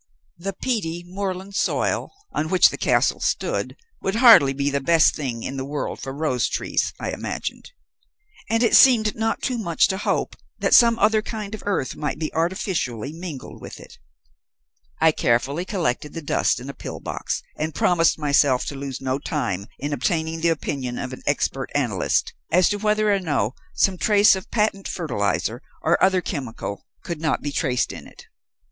The peaty moorland soil on which the castle stood would hardly be the best thing in the world for rose trees, I imagined, and it seemed not too much to hope that some other kind of earth might be artificially mingled with it. I carefully collected the dust in a pill box, and promised myself to lose no time in obtaining the opinion of an expert analyst, as to whether or no some trace of patent fertilizer, or other chemical, could not be traced in it.